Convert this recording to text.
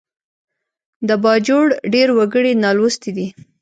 د باجوړ ډېر وګړي نالوستي دي